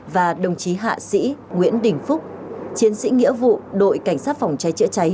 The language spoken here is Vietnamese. và đồng chí hạ sĩ nguyễn đình phúc chiến sĩ nghĩa vụ đội cảnh sát phòng cháy chữa cháy